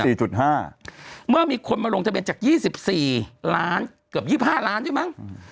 ก็มีคนมาลงทะเบียนจาก๒๔ล้านเกือบ๒๕ล้านใช่มั้ง